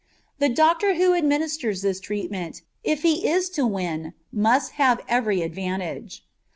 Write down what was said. The doctor who administers this treatment, if he is to win, must have every advantage.